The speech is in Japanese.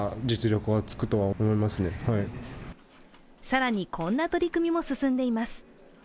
更にこんな取り組みも進んでいます。